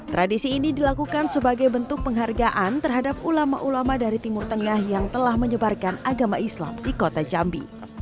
tradisi ini dilakukan sebagai bentuk penghargaan terhadap ulama ulama dari timur tengah yang telah menyebarkan agama islam di kota jambi